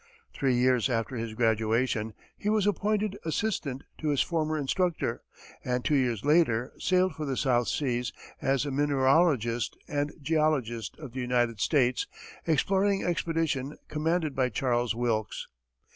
Three years after his graduation, he was appointed assistant to his former instructor, and two years later sailed for the South Seas as mineralogist and geologist of the United States exploring expedition commanded by Charles Wilkes.